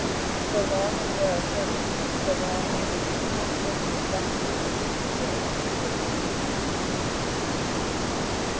So long as there are servants, so long will it be impossible to effectually conceal our most sacred secrets.